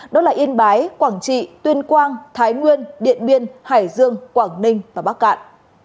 đó là yên bái quảng trị tuyên quang thái nguyên điện biên hải dương quảng ninh và bắc cạn